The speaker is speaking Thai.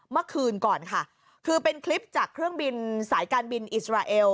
เมื่อคืนก่อนค่ะคือเป็นคลิปจากเครื่องบินสายการบินอิสราเอล